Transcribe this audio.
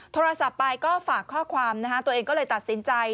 โทรศัพท์ไปก็ฝากข้อความนะคะตัวเองก็เลยตัดสินใจ